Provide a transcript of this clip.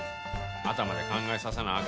頭で考えさせなあ